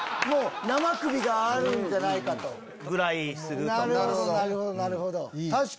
生首があるんじゃないかと。ぐらいするとか。